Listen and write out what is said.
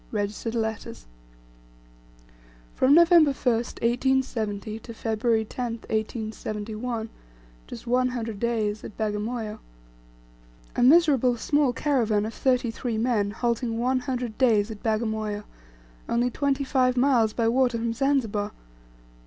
"Registered letters." From November 1st, 1870, to February 10, 1871, just one hundred days, at Bagamoyo! A miserable small caravan of thirty three men halting one hundred days at Bagamoyo, only twenty five miles by water from Zanzibar!